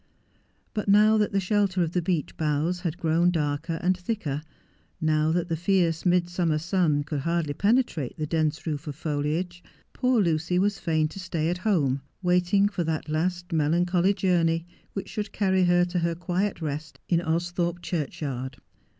But now that the shelter of the beech boughs had grown darker and thicker — now that the fierce midsummer sun could hardly penetrate the dense roof of foliage, poor Lucy was fain to stay at home, waiting for that last melancholy journey which should carry her to her quiet rest in Austhorpe churchyard.